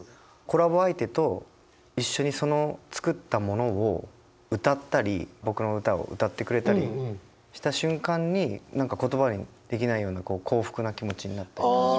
コラボ相手と一緒にその作ったものを歌ったり僕の歌を歌ってくれたりした瞬間に何か言葉にできないような幸福な気持ちになったり。